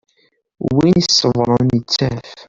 Win i iṣebbren yettaf.